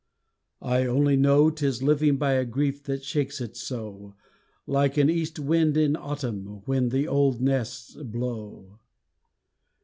I only know 'tis living by a grief that shakes it so, Like an East wind in Autumn, when the old nests blow.